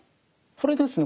これですね